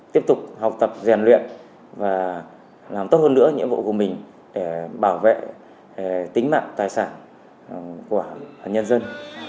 tiếp tục học tập rèn luyện và làm tốt hơn nữa nhiệm vụ của mình để bảo vệ tính mạng tài sản của nhân dân